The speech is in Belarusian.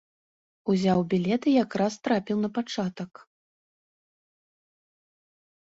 Узяў білет і якраз трапіў на пачатак.